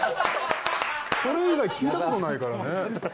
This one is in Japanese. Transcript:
それ以来聞いたことないからね。